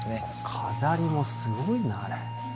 飾りもすごいなあれ。